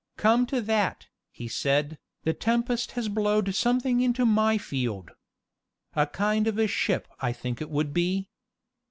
"Come to that," he said, "the tempest has blowed something into my field. A kind of a ship I think it would be."